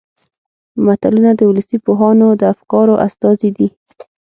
متلونه د ولسي پوهانو د افکارو استازي دي